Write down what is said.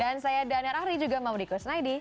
dan saya daniel rahri juga mbak maudie kostnadis